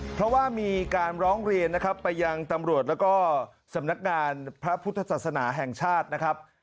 เพราะว่ามีการร้องเรียนนะครับไปยังตำรวจแล้วก็สำนักงานพระพุทธศาสนาแห่งชาตินะครับ